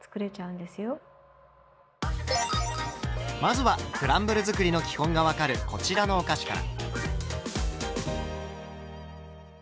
まずはクランブル作りの基本が分かるこちらのお菓子から。